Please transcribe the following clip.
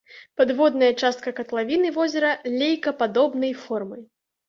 Падводная частка катлавіны возера лейкападобнай формы.